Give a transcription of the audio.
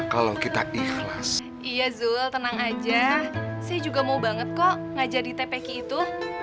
kalau kita menunggu beliau